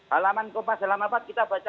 halaman kompas dalam apat kita baca